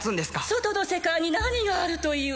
外の世界に何があるというの？